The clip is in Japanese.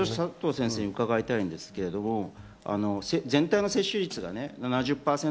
伺いたいんですが、全体の接種率が７０％。